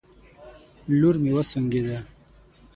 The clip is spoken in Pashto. لور مې وسونګېده